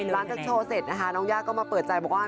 หลังจากโชว์เสร็จนะคะน้องย่าก็มาเปิดใจบอกว่า